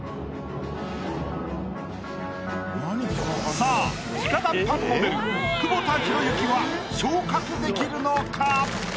さあ直談判モデル久保田裕之は昇格できるのか？